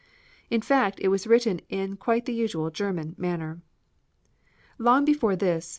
In fact it was written in quite the usual German manner. Long before this M.